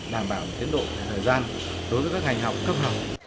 đảm bảo tiến độ thời gian đối với các ngành học cấp học